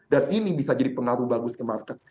dan ini bisa jadi pengaruh bagus ke market